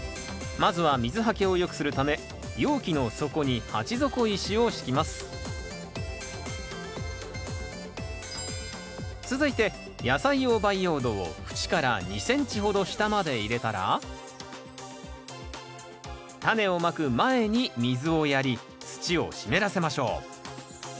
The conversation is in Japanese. まずは水はけをよくするため容器の底に鉢底石を敷きます続いて野菜用培養土を縁から２ｃｍほど下まで入れたらタネをまく前に水をやり土を湿らせましょう。